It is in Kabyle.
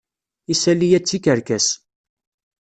Isali-ya d tikerkas.